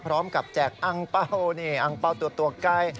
พร้อมกับแจกอังเป้าอังเป้าตัวใกล้